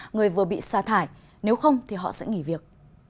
người vừa bị sa thải nếu không thì họ sẽ nghỉ việc